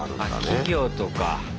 企業とか。